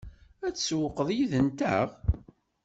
Ad tsewwqeḍ yid-nteɣ?